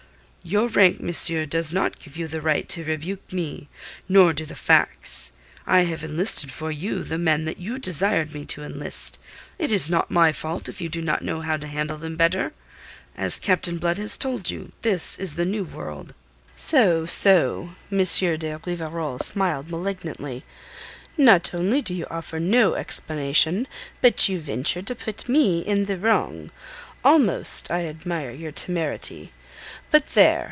"Your rank, monsieur, does not give you the right to rebuke me; nor do the facts. I have enlisted for you the men that you desired me to enlist. It is not my fault if you do not know how to handle them better. As Captain Blood has told you, this is the New World." "So, so!" M. de Rivarol smiled malignantly. "Not only do you offer no explanation, but you venture to put me in the wrong. Almost I admire your temerity. But there!"